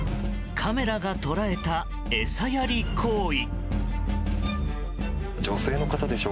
カメラが捉えた、餌やり行為。